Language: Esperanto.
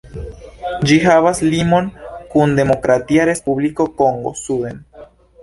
Ĝi havas limon kun Demokratia Respubliko Kongo suden.